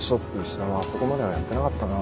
石田はあそこまではやってなかったな。